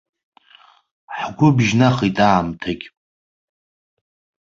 Ҳгәы бжьнахит аамҭагь.